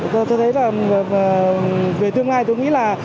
tôi thấy là về tương lai tôi nghĩ là